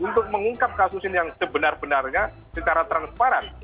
untuk mengungkap kasus ini yang sebenar benarnya secara transparan